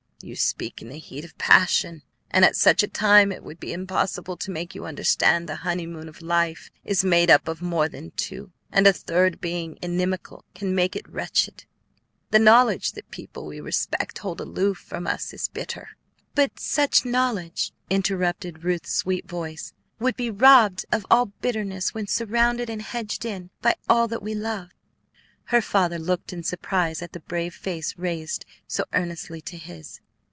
"You speak in the heat of passion; and at such a time it would be impossible to make you understand the honeymoon of life is made up of more than two, and a third being inimical can make it wretched. The knowledge that people we respect hold aloof from us is bitter." "But such knowledge," interrupted Ruth's sweet voice, "would be robbed of all bitterness when surrounded and hedged in by all that we love." Her father looked in surprise at the brave face raised so earnestly to his.